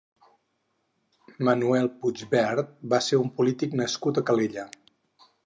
Manuel Puigvert va ser un polític nascut a Calella.